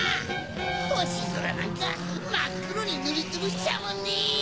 ほしぞらなんかまっくろにぬりつぶしちゃうもんね！